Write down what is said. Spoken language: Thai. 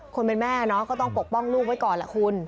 คนเป็นแม่เนาะก็ต้องปกป้องลูกไว้ก่อนแหละคุณ